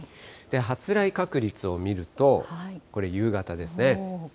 発雷確率を見ると、これ夕方ですね。